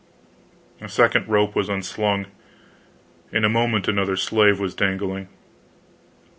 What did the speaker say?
A second rope was unslung, in a moment another slave was dangling.